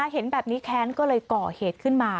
เห็นแบบนี้แค้นก็เลยก่อเหตุขึ้นมา